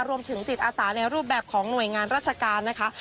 รวมถึงจิตอาสาในรูปแบบของหน่วยงานราชการนะคะ